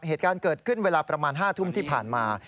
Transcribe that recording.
เหตุการณ์เกิดขึ้นเวลาประมาณ๕ทุ่มที่ผ่านมา